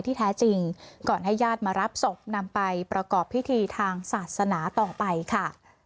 แท้จริงก่อนให้ญาติมารับศพนำไปประกอบพิธีทางศาสนาต่อไปค่ะ